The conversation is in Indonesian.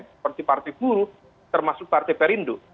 seperti partai buruh termasuk partai perindo